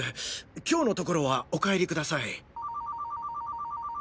今日のところはお帰りください。